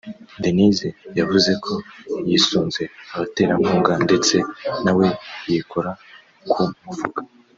Denise yavuze ko yisunze abaterankunga ndetse na we yikora ku mufuka